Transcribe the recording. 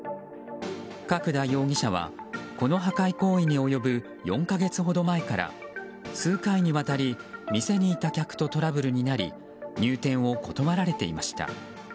角田容疑者はこの破壊行為に及ぶ４か月ほど前から数回にわたり店にいた客とトラブルになり入店を断られていました。